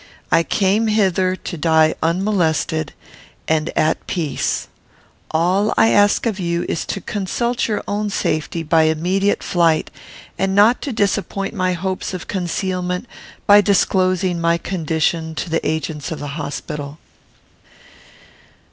I came hither to die unmolested, and at peace. All I ask of you is to consult your own safety by immediate flight; and not to disappoint my hopes of concealment, by disclosing my condition to the agents of the hospital."